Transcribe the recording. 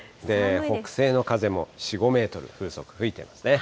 北西の風も４、５メートル、風速、吹いてますね。